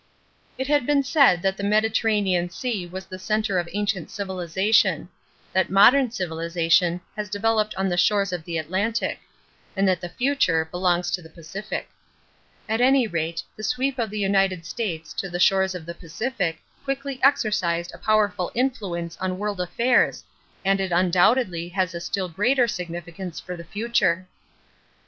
= It has been said that the Mediterranean Sea was the center of ancient civilization; that modern civilization has developed on the shores of the Atlantic; and that the future belongs to the Pacific. At any rate, the sweep of the United States to the shores of the Pacific quickly exercised a powerful influence on world affairs and it undoubtedly has a still greater significance for the future.